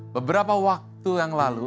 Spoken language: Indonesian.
beberapa waktu yang lalu